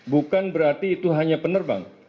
bukan berarti itu hanya penerbang